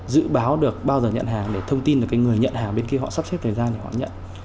dự báo được bao giờ nhận hàng để thông tin được cái người nhận hàng bên kia họ sắp xếp thời gian để họ nhận